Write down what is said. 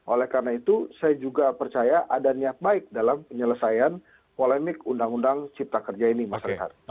oleh karena itu saya juga percaya ada niat baik dalam penyelesaian polemik undang undang cipta kerja ini mas renhard